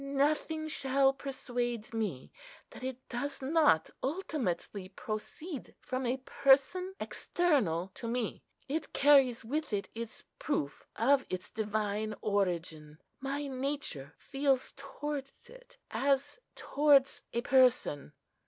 Nothing shall persuade me that it does not ultimately proceed from a person external to me. It carries with it its proof of its divine origin. My nature feels towards it as towards a person.